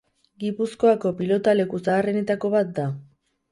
Gipuzkoako pilotaleku zaharrenetako bat da.